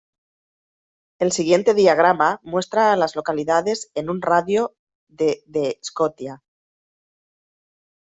El siguiente diagrama muestra a las localidades en un radio de de Scotia.